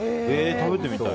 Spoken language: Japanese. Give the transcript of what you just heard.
食べてみたい。